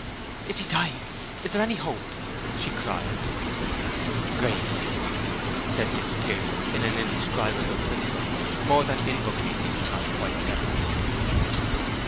"Is he dying—is there any hope?" she cried. "Grace!" said Fitzpiers, in an indescribable whisper—more than invocating, if not quite deprecatory.